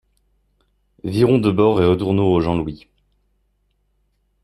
Virons de bord et retournons au Jean-Louis.